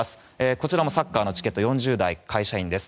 こちらもサッカーのチケット４０代、会社員です。